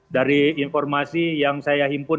dari informasi yang saya himpun